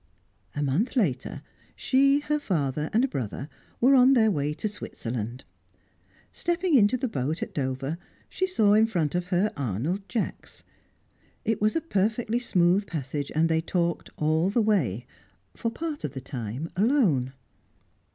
A month later, she, her father and brother, were on their way to Switzerland. Stepping into the boat at Dover, she saw in front of her Arnold Jacks. It was a perfectly smooth passage, and they talked all the way; for part of the time, alone.